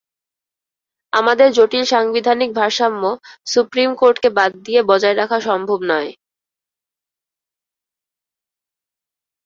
আমাদের জটিল সাংবিধানিক ভারসাম্য সুপ্রিম কোর্টকে বাদ দিয়ে বজায় রাখা সম্ভব নয়।